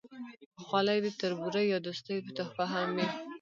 خولۍ د تربورۍ یا دوستۍ تحفه هم وي.